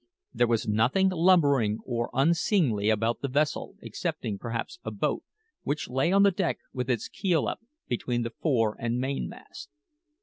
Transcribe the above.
There was nothing lumbering or unseemly about the vessel, excepting, perhaps, a boat, which lay on the deck with its keel up between the fore and main masts.